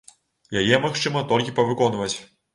Яе магчыма толькі павыконваць.